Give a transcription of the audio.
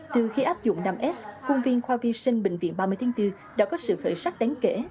từ khi áp dụng năm s khuôn viên khoa vi sinh bệnh viện ba mươi tháng bốn đã có sự khởi sắc đáng kể